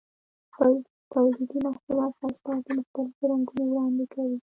خپل تولیدي محصولات ښایسته او په مختلفو رنګونو وړاندې کوي.